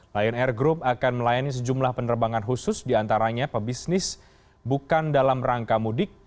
lion air group akan melayani sejumlah penerbangan khusus diantaranya pebisnis bukan dalam rangka mudik